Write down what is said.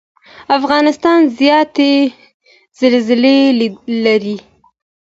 افغانستان زیاتې زلزلې لري.